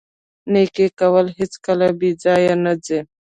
نیکي کول هیڅکله بې ځایه نه ځي.